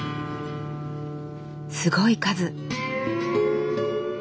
すごい数！